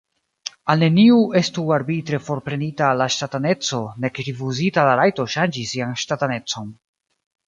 Al neniu estu arbitre forprenita la ŝtataneco, nek rifuzita la rajto ŝanĝi sian ŝtatanecon.